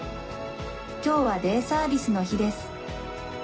「今日はデイサービスの日です」。